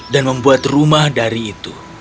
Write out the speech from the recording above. dan membuat rumah dari itu